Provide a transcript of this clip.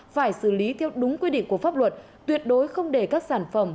phải xử lý theo đúng quy định của pháp luật tuyệt đối không để các sản phẩm